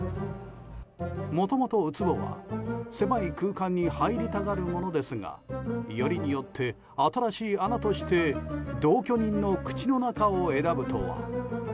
もともと、ウツボは狭い空間に入りたがるものですがよりによって、新しい穴として同居人の口の中を選ぶとは。